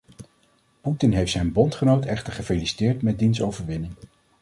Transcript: Poetin heeft zijn bondgenoot echter gefeliciteerd met diens overwinning.